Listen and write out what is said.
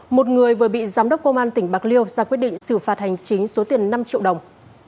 một người vừa bị giám đốc công an tỉnh bạc liêu ra quyết định xử phạt hành chính số tiền năm triệu đồng